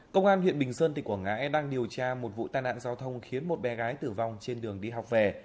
trong huyện bình sơn tỉnh quảng ngã đang điều tra một vụ tai nạn giao thông khiến một bé gái tử vong trên đường đi học về